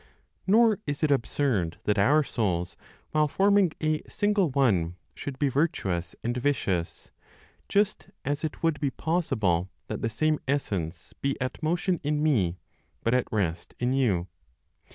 Nor is it absurd that our souls, while forming a single one should be virtuous and vicious, just as it would be possible that the same essence be at motion in me, but at rest in you.